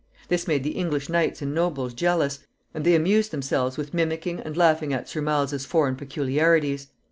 This made the English knights and nobles jealous, and they amused themselves with mimicking and laughing at Sir Miles's foreign peculiarities.